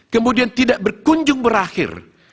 kemudian tidak berkunjung berakhir